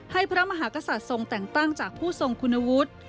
พระมหากษัตริย์ทรงแต่งตั้งจากผู้ทรงคุณวุฒิ